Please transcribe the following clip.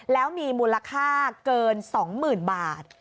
แล้วมีมูลค่าเกิน๒๐๐๐บาท